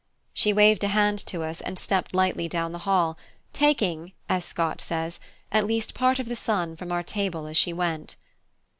She waved a hand to us, and stepped lightly down the hall, taking (as Scott says) at least part of the sun from our table as she went.